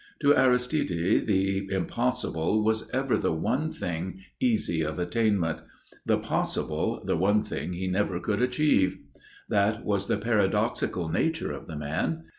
To Aristide the impossible was ever the one thing easy of attainment; the possible the one thing he never could achieve. That was the paradoxical nature of the man.